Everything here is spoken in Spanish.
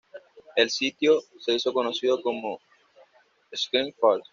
El sitio se hizo conocido como Shepherd's Falls.